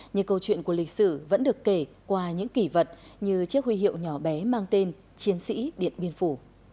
nhưng câu chuyện của lịch sử vẫn được kể qua những kỷ vật như chiếc huy hiệu nhỏ bé mang tên chiến sĩ điện biên phủ